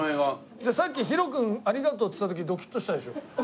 じゃあさっき「ヒロ君ありがとう」っつった時ドキッとしたでしょ？